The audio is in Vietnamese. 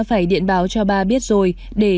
phải điện báo cho ba biết rồi để